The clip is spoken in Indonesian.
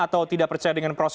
atau tidak percaya dengan proses